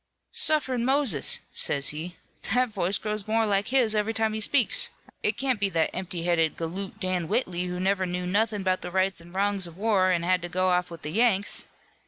'Sufferin' Moses!' says he, 'that voice grows more like his every time he speaks. It can't be that empty headed galoot, Dan Whitley, who never knew nothin' 'bout the rights an' wrongs of the war, an' had to go off with the Yanks!'